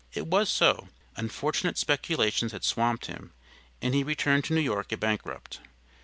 It was so; unfortunate speculations had swamped him, and he returned to New York a bankrupt.